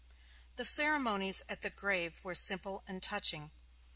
The ceremonies at the grave were simple and touching.